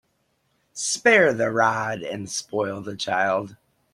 Spare the rod and spoil the child.